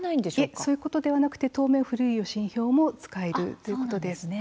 そういうことではなくて当面古い予診票も使えるということです。